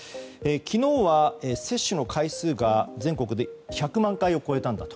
昨日は接種の回数が全国で１００万回を超えたんだと。